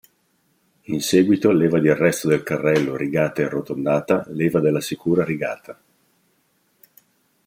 In seguito leva di arresto del carrello rigata e arrotondata, leva della sicura rigata.